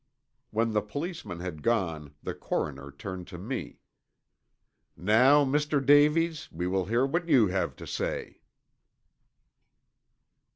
When the policeman had gone the coroner turned to me. "Now, Mr. Davies, we will hear what you have to say."